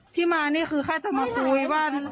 ที่มานี่คือแค่จะมาคุยว่า